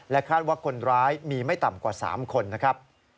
คาดว่าคนร้ายมีไม่ต่ำกว่า๓คนนะครับ